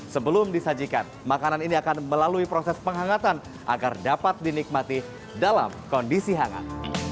sebelum disajikan makanan ini akan melalui proses penghangatan agar dapat dinikmati dalam kondisi hangat